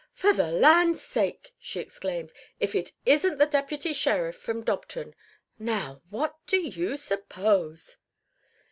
"For the land's sake," she exclaimed. "If it isn't the deputy sheriff from Dobton. Now, what do you suppose?"